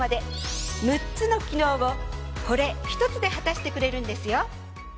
６つの機能をこれ１つで果たしてくれるんですよ。